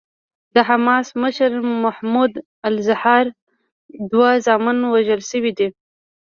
د حماس مشر محمود الزهار دوه زامن وژل شوي دي.